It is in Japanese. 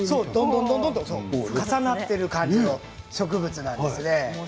重なっている感じの植物なんですね。